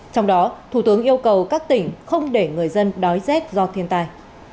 trong đó thủ tướng yêu cầu các tỉnh không để người dân đói rét do thiên tai